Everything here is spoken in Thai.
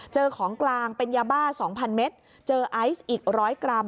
ของกลางเป็นยาบ้า๒๐๐เมตรเจอไอซ์อีกร้อยกรัม